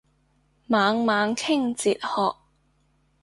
猛猛傾哲學